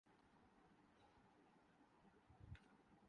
تو وہ جمہوریت اور آزاد میڈیا کے مخالفین ہو ں گے۔